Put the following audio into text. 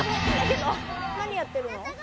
何やってるの？